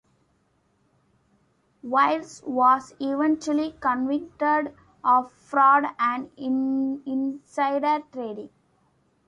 Wiles was eventually convicted of fraud and insider trading.